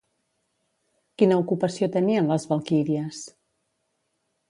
Quina ocupació tenien les valquíries?